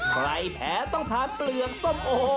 ใครแพ้ต้องทานเปลือกส้มโอ